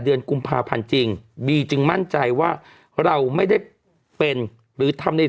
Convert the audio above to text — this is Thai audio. เดือนกุมภาพันธ์จริงบีจึงมั่นใจว่าเราไม่ได้เป็นหรือทำใน